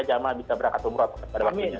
jamaah bisa berangkat umroh pada waktunya